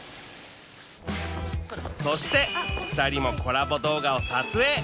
そして２人もコラボ動画を撮影！